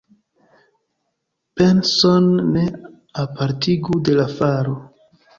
Penson ne apartigu de la faro.